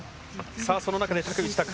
その中で、竹内択。